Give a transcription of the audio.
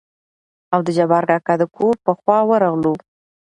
او د جبار کاکا دکور په خوا ورغلو.